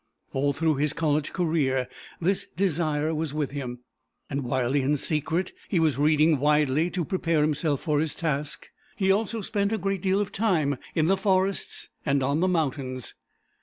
All through his college career this desire was with him, and while in secret he was reading widely to prepare himself for his task, he also spent a great deal of time in the forests and on the mountains.